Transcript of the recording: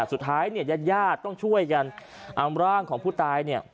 สุดท้ายเนี่ยญาติญาติต้องช่วยกันเอาร่างของผู้ตายเนี่ย